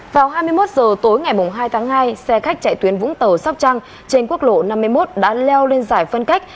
vào hai mươi một h tối ngày hai tháng hai xe khách chạy tuyến vũng tàu sóc trăng trên quốc lộ năm mươi một đã leo lên giải phân cách